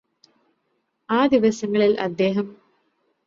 ആ ദിവസങ്ങളില് അദ്ദേഹം